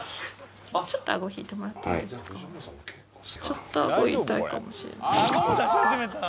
ちょっと顎痛いかもしれない。